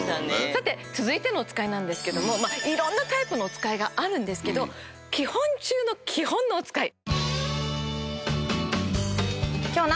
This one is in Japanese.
さて続いてのおつかいなんですけどもいろんなタイプのおつかいがあるんですけど基本中の基本のおつかい。